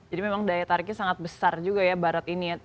jadi memang daya tariknya sangat besar juga ya barat ini